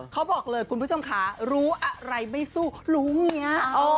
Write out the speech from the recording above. ข้าบอกเลยครับบุฏมคารู้อะไรไม่สู้รู้เนี่ย